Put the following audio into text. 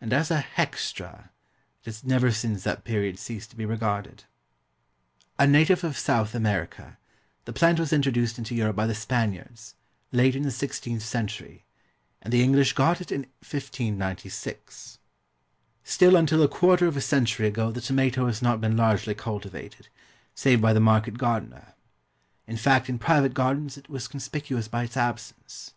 And as a "hextra" it has never since that period ceased to be regarded. A native of South America, the plant was introduced into Europe by the Spaniards, late in the sixteenth century, and the English got it in 1596. Still until a quarter of a century ago the tomato has not been largely cultivated, save by the market gardener; in fact in private gardens it was conspicuous by its absence.